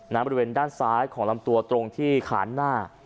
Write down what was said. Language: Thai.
บริเวณด้านซ้ายของลำตัวตรงที่ขานหน้า